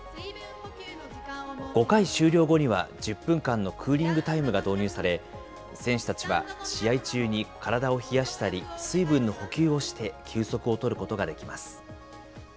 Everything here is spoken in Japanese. ５回終了後には、１０分間のクーリングタイムが導入され、選手たちは試合中に体を冷やしたり、水分の補給をして休息をとることができます。